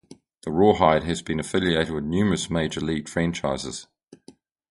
The Rawhide has been affiliated with numerous Major League franchises.